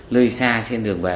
lơi xa trên đường về